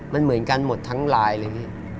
มันเหมือนกันหมดทั้งไลน์เลยพี่